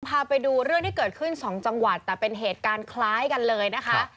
พาไปดูเรื่องที่เกิดขึ้นสองจังหวัดแต่เป็นเหตุการณ์คล้ายกันเลยนะคะ